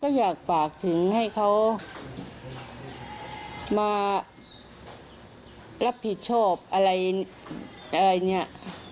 ก็อยากฝากถึงให้เขามารับผิดชอบอะไรอะไรเนี่ย